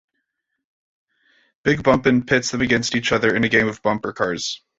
"Big Bumpin'" pits them against each other in a game of bumper cars.